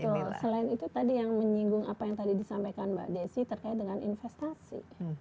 betul selain itu tadi yang menyinggung apa yang tadi disampaikan mbak desi terkait dengan investasi